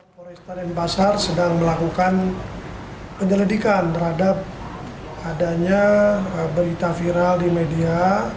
polresta denpasar sedang melakukan penyelidikan terhadap adanya berita viral di media